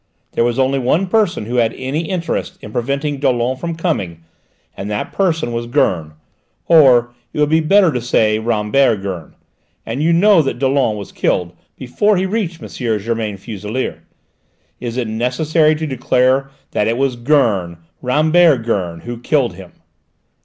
There was only one person who had any interest in preventing Dollon from coming, and that person was Gurn, or it would be better to say Rambert Gurn; and you know that Dollon was killed before he reached M. Germain Fuselier. Is it necessary to declare that it was Gurn, Rambert Gurn, who killed him?"